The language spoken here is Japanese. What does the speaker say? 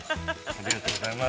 ◆ありがとうございます。